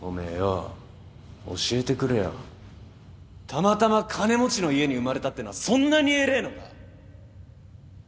たまたま金持ちの家に生まれたってのはそんなに偉えのか？